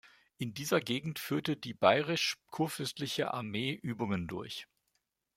In dieser Gegend führte die bayerisch-kurfürstliche Armee Übungen durch.